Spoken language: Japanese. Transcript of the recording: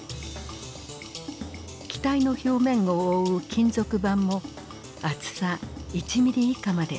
機体の表面を覆う金属板も厚さ１ミリ以下まで薄くした。